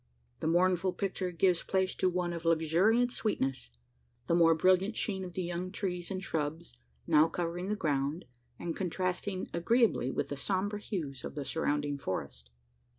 The mournful picture gives place to one of luxuriant sweetness: the more brilliant sheen of the young trees and shrubs, now covering the ground, and contrasting agreeably with the sombre hues of the surrounding forest.